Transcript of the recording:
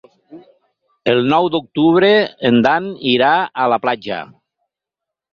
El nou d'octubre en Dan irà a la platja.